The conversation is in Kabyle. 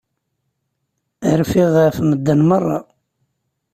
Rfiɣ ɣef medden merra.